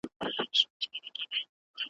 اوس دي وخت دئ د خدایي را رسېدلی `